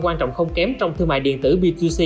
quan trọng không kém trong thương mại điện tử btc